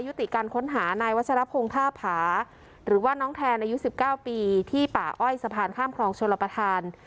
ยุติการค้นหานายวัชรัพย์โภงภาพหาหรือว่าน้องแทนอายุสิบเก้าปีที่ป่าอ้อยสะพานข้ามครองชลปฐาน